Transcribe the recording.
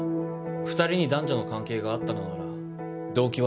２人に男女の関係があったのなら動機はありそうだね。